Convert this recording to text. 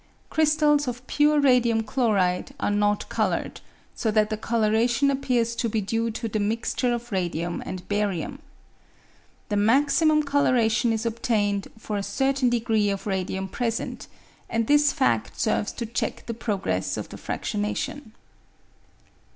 Crystals of pure radium chloride are not coloured, so that the colouration appears to be due to the mixture of radium and barium. The maximum colouration is obtained for a certam degree of radium present, and this fad serves to check the progress of the fractionation.